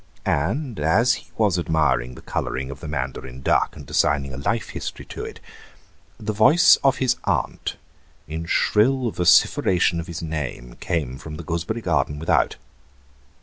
And as he was admiring the colouring of the mandarin duck and assigning a life history to it, the voice of his aunt in shrill vociferation of his name came from the gooseberry garden without.